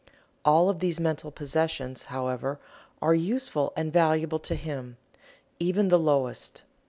All of these mental possessions, however, are useful and valuable to him even the lowest.